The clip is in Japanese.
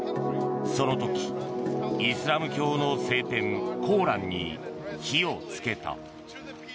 その時、イスラム教の聖典コーランに火を付けた。